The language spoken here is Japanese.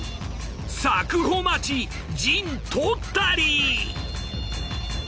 佐久穂町陣取ったり。